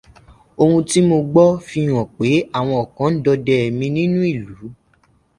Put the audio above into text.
Oun tí mo gbọ fihàn pé àwọn kan ń dọdẹ mi nínú ìlú.